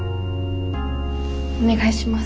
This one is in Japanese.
お願いします。